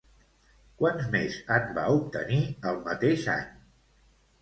Quants més en va obtenir el mateix any?